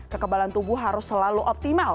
kekebalan tubuh harus selalu optimal